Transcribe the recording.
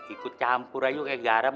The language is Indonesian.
ikut campur aja kayak garam